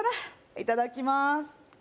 いただきます